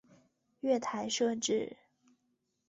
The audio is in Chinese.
月台设置